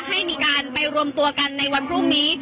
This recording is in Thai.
ให้มีการไปรวมตัวกันในวันพรุ่งนี้